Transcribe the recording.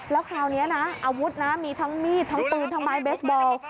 แล้วคราวนี้นะอาวุธนะมีทั้งมีดทั้งปืนทั้งไม้เบสบอล